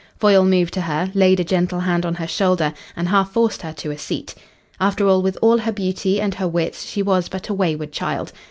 Foyle moved to her, laid a gentle hand on her shoulder and half forced her to a seat. After all, with all her beauty and her wits she was but a wayward child.